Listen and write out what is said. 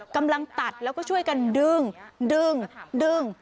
กำลังตัดแล้วก็ช่วยกันดึงดึง